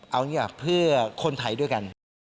เอาอย่างนี้เพื่อคนไทยด้วยกัน